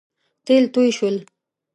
تېل توی شول